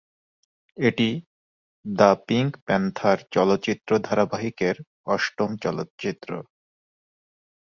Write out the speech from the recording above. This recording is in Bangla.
এটি "দ্য পিঙ্ক প্যান্থার" চলচ্চিত্র ধারাবাহিকের অষ্টম চলচ্চিত্র।